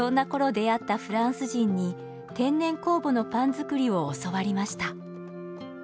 出会ったフランス人に天然酵母のパン作りを教わりました。